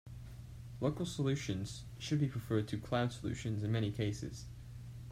Local solutions should be preferred to cloud solutions in many cases.